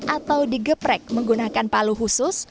atau digeprek menggunakan palu khusus